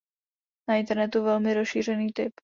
Na internetu velmi rozšířený typ.